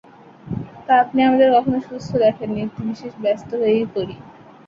তা, আপনি আমাদের কখনো সুস্থ দেখেন নি– একটু বিশেষ ব্যস্ত হয়েই পড়ি।